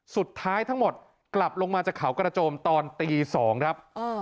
ทั้งหมดกลับลงมาจากเขากระโจมตอนตี๒ครับ